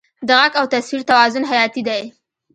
د غږ او تصویر توازن حیاتي دی.